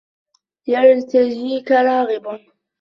يَرْتَجِيكَ رَاغِبٌ